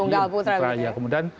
untuk tunggal putra gitu ya